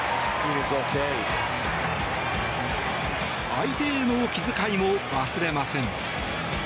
相手への気遣いも忘れません。